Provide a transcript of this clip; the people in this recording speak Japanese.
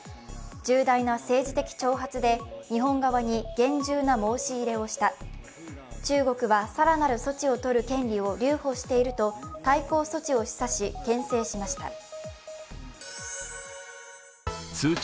重大な政治的挑発で日本側に厳重な申し入れをした、中国は更なる措置を取る権利を留保していると対抗措置を示唆し、けん制しました